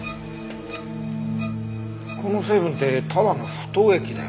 この成分ってただの不凍液だよね。